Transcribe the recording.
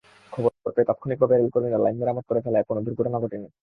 খবর পেয়ে তাৎক্ষণিকভাবে রেলকর্মীরা লাইন মেরামত করে ফেলায় কোনো দুর্ঘটনা ঘটেনি।